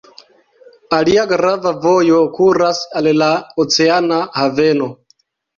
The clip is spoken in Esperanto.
Alia grava vojo kuras al la oceana haveno.